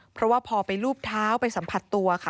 เพราะว่าพอไปรูปเท้าไปสัมผัสตัวค่ะ